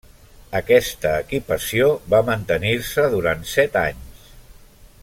Aquesta equipació va mantenir-se durant set anys.